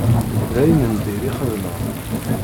D ayen n dir ixedmeɣ.